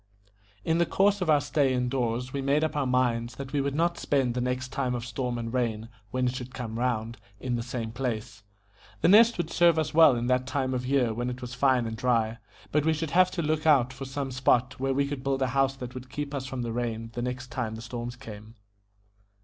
In the course of our stay in doors we made up our minds that we would not spend the next time of storm and rain, when it should come round, in the same place. The Nest would serve us well in that time of year when it was fine and dry, but we should have to look out for some spot where we could build a house that would keep us from the rain the next time the storms came.